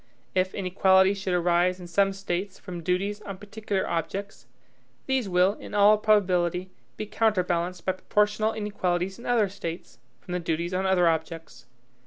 If inequalities should arise in some States from duties on particular objects, these will, in all probability, be counterbalanced by proportional inequalities in other States, from the duties on other objects.